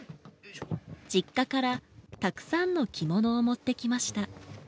実家からたくさんの着物を持ってきました。